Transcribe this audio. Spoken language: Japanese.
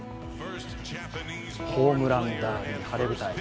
ホームランダービー、晴れ舞台。